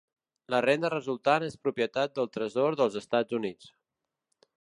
La renda resultant és propietat del Tresor dels Estats Units.